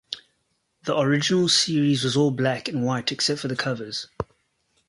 The original series was all black and white except for the covers.